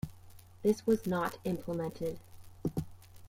This was not implemented.